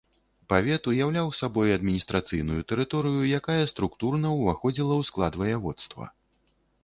Павет уяўляў сабой адміністрацыйную тэрыторыю, якая структурна ўваходзіла ў склад ваяводства.